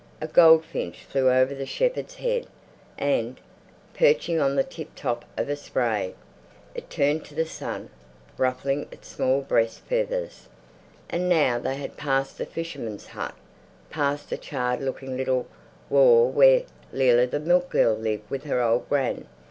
A goldfinch flew over the shepherd's head and, perching on the tiptop of a spray, it turned to the sun, ruffling its small breast feathers. And now they had passed the fisherman's hut, passed the charred looking little whare where Leila the milk girl lived with her old Gran.